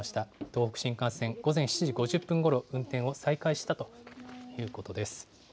東北新幹線、午前７時５０分ごろ、運転を再開したということです。